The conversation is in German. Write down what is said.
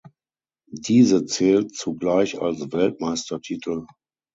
Diese zählt zugleich als Weltmeistertitel.